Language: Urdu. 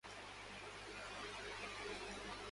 ورلڈ بینک مجموعی بیرونی قرض کے تخمینے میں غلطی کو دور کرے